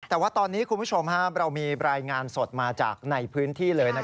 แต่ว่าตอนนี้คุณผู้ชมเรามีรายงานสดมาจากในพื้นที่เลย